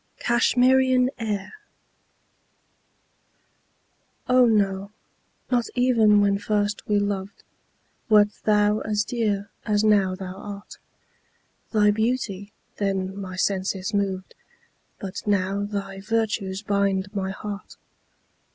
(CASHMERIAN AIR.) Oh, no not even when first we loved, Wert thou as dear as now thou art; Thy beauty then my senses moved, But now thy virtues bind my heart.